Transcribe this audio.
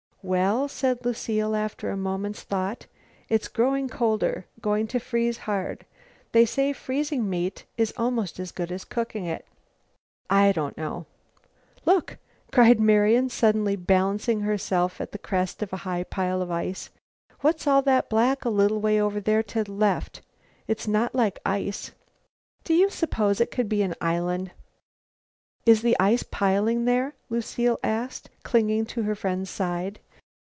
"Well," said Lucile, after a moment's thought, "it's growing colder; going to freeze hard. They say freezing meat is almost as good as cooking it. I don't know " "Look!" cried Marian suddenly, balancing herself at the crest of a high pile of ice. "What's all that black a little way over there to the left? It's not like ice. Do you suppose it could be an island?" "Is the ice piling there?" Lucile asked, clinging to her friend's side.